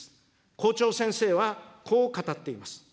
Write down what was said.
校長先生はこう語っています。